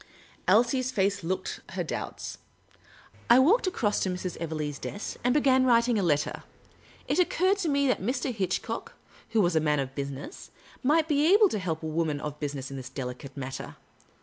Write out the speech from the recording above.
Elsie's face looked her doubts. I walked across to Mrs. The Urbane Old Gentleman 151 Evelegh's desk, and began writing a letter. It occurred to me that Mr. Hitchcock, who was a man of business, might be able to help a woman of business in this delicate matter.